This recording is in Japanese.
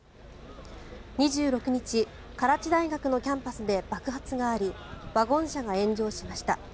２６日、カラチ大学のキャンパスで爆発がありワゴン車が炎上しました。